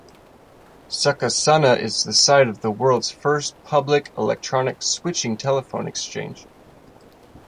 Succasunna is the site of the world's first public electronic switching telephone exchange.